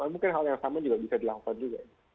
mungkin hal yang sama juga bisa dilakukan juga